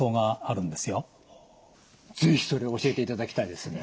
是非それを教えていただきたいですね。